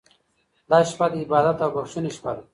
دا شپه د عبادت او بښنې شپه ده.